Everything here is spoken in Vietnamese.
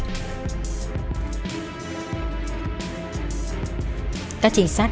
các trinh sát